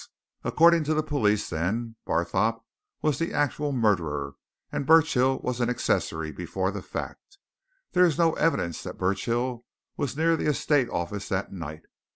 According to the police, then, Barthorpe was the actual murderer, and Burchill was an accessory before the fact. There is no evidence that Burchill was near the estate office that night.